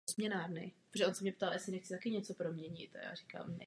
Zcela jistě to však stojí za pokus.